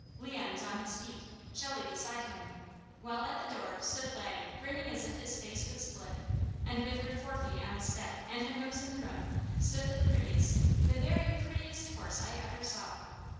Leon was on his feet, Shelley beside him, while at the door stood Laddie grinning as if his face would split, and with her forefeet on the step and her nose in the room, stood the prettiest, the very prettiest horse I ever saw.